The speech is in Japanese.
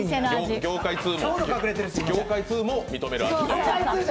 業界通も認める味。